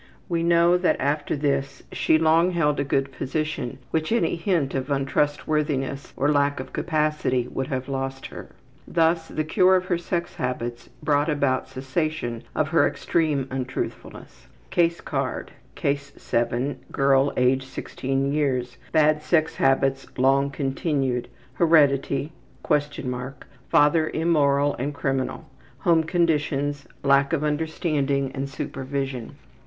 We know that after this she long held a good position which any hint of untrustworthiness or lack of capacity would have lost her. Thus the cure of her sex habits brought about cessation of her extreme untruthfulness. Bad sex habits long continued. Case 7. Heredity. (?) Father immoral Girl, age 16 yrs. and criminal. Home conditions. Lack of understanding and supervision.